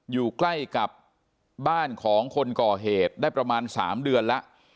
อยู่ใกล้กับบ้านของคนก่อเหตุได้ประมาณ๓เดือนแล้ว